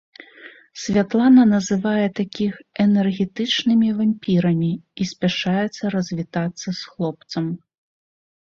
Святлана называе такіх энергетычнымі вампірамі і спяшаецца развітацца з хлопцам.